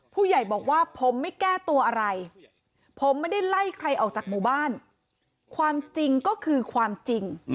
ผู้ใหญ่บอกว่าผมไม่แก้ตัวอะไรผมไม่ได้ไล่ใครออกจากหมู่บ้านความจริงก็คือความจริง